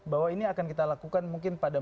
bahwa ini akan kita lakukan mungkin pada